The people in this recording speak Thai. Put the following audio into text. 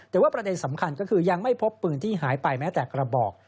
แต่ว่าประเด็นสำคัญก็คือยังไม่พบปืนที่หายไปแม้แต่กระบอก